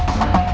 aku kasih tau